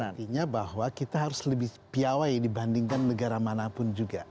artinya bahwa kita harus lebih piawai dibandingkan negara manapun juga